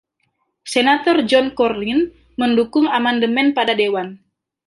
Senator John Cornyn mendukung amandemen pada Dewan.